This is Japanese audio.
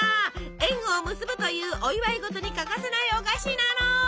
縁を結ぶというお祝い事に欠かせないお菓子なの！